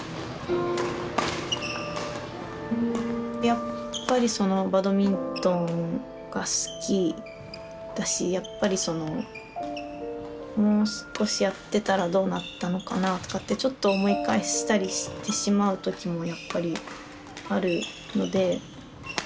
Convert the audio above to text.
やっぱりそのバドミントンが好きだしやっぱりそのもう少しやってたらどうなったのかなとかってちょっと思い返したりしてしまう時もやっぱりあるので。